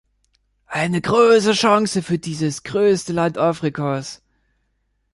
Eine große Chance für dieses größte Land Afrikas!